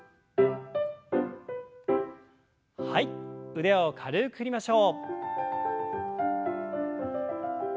腕を軽く振りましょう。